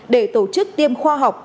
để tổ chức tiêm khoa học